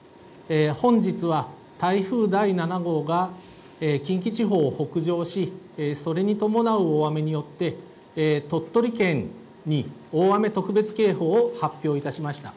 本日は、台風第７号が近畿地方を北上し、それに伴う大雨によって、鳥取県に大雨特別警報を発表いたしました。